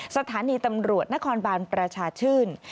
สถานีตำรวจนครบานประชาชื่น